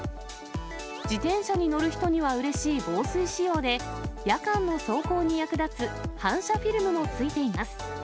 自転車に乗る人にはうれしい防水仕様で、夜間の走行に役立つ反射フィルムもついています。